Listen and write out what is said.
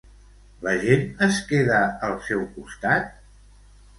La gent es queda al seu costat?